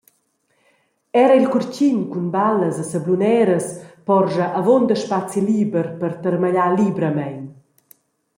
Era il curtgin cun ballas e sabluneras porscha avunda spazi liber per termagliar libramein.